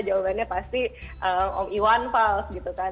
jawabannya pasti om iwan fals gitu kan